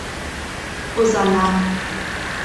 Озана.